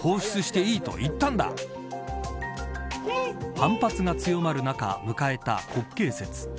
反発が強まる中始まった国慶節。